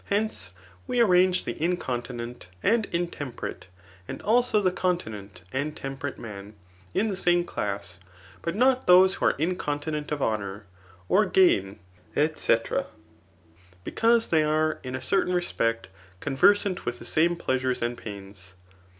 Hence, we arrange the incontinent and intemperate, and also the continent and temperate man, in the same class, but not those who are incontinent of honour, or gam, &c. be cause they are, in a certsun respect, conversant with die same pleasures and pains.